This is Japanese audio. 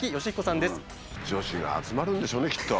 女子が集まるんでしょうねきっと。